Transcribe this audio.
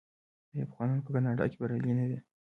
آیا افغانان په کاناډا کې بریالي نه دي؟